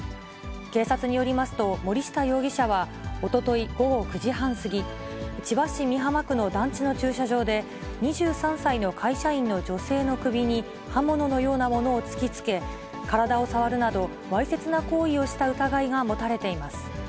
警察によりますと森下容疑者はおととい午後９時半過ぎ、千葉市美浜区の団地の駐車場で２３歳の会社員の女性の首に刃物のようなものを突きつけ、体を触るなど、わいせつな行為をした疑いが持たれています。